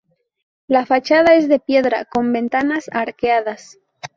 La fachada es de piedra, con ventanas arqueadas.